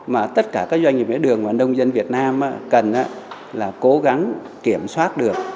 mà tất cả các doanh nghiệp mía đường và nông dân việt nam cần là cố gắng kiểm soát được